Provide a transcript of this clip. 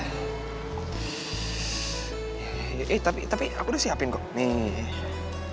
hai hai tapi tapi aku udah siapin kok nih